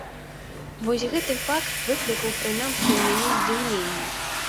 Вось гэты факт выклікаў прынамсі ў мяне здзіўленне.